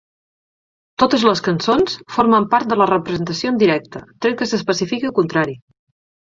Totes les cançons formen part de la representació en directe tret que s'especifiqui el contrari.